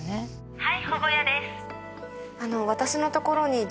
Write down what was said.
はい。